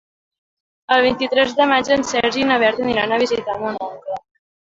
El vint-i-tres de maig en Sergi i na Berta aniran a visitar mon oncle.